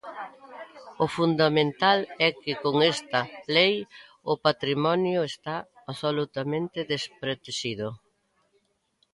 O fundamental é que, con esta lei, o patrimonio está absolutamente desprotexido.